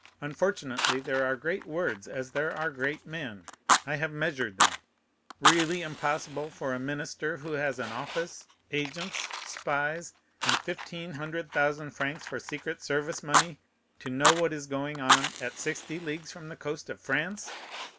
Unfortunately, there are great words, as there are great men; I have measured them. Really impossible for a minister who has an office, agents, spies, and fifteen hundred thousand francs for secret service money, to know what is going on at sixty leagues from the coast of France!